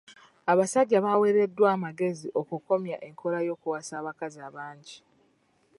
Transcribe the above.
Abasajja baaweereddwa anmagezi okukomya enkola y'okuwasa abakazi abangi.